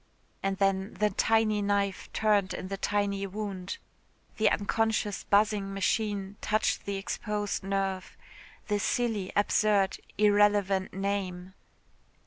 And then the tiny knife turned in the tiny wound. The unconscious buzzing machine touched the exposed nerve the silly, absurd, irrelevant name.